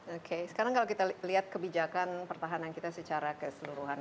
oke sekarang kalau kita lihat kebijakan pertahanan kita secara keseluruhan